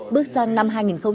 bước sang năm hai nghìn hai mươi